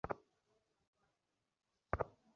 থামো, স্পঞ্জ।